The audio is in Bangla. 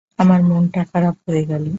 আমার মনটা খারাপ হয়ে গেল।